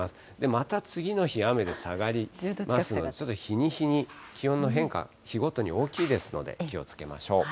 また次の日、雨で下がりますので、日に日に気温の変化、日ごとに大きいですので、気をつけましょう。